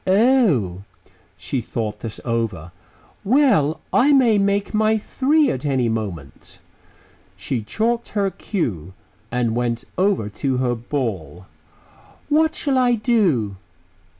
"Oh!" She thought this over. "Well, I may make my three at any moment." She chalked her cue and went over to her ball. "What shall I do?"